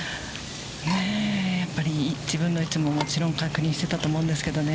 やっぱり自分の位置ももちろん確認してたと思うんですけどね。